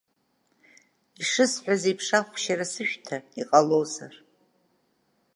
Ишысҳәаз еиԥш ахәшьара сышәҭа, иҟалозар!